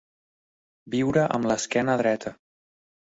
Viure amb l'esquena dreta.